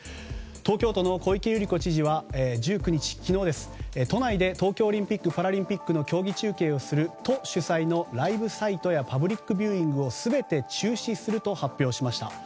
東京都の小池百合子知事は１９日、昨日です都内で東京オリンピック・パラリンピックの競技中継をする都主催のライブサイトやパブリックビューイングを全て中止すると発表しました。